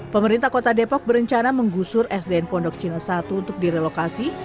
pemerintah kota depok berencana menggusur sdn pondok cina satu untuk direlokasi